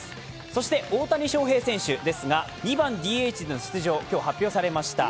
そして大谷翔平選手ですが２番・ＤＨでの出場が今日発表されました。